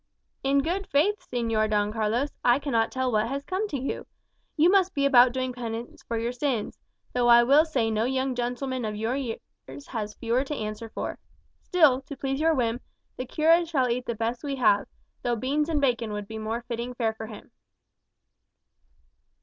"In good faith, Señor Don Carlos, I cannot tell what has come to you. You must be about doing penance for your sins, though I will say no young gentleman of your years has fewer to answer for. Still, to please your whim, the cura shall eat the best we have, though beans and bacon would be more fitting fare for him."